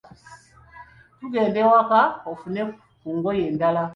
Tugende ewaka ofune ku ngoye endala.